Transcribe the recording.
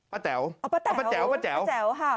ป้าแจ๋วป้าแจ๋วป้าแจ๋วค่ะ